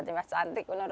iya cantik menurut mas ya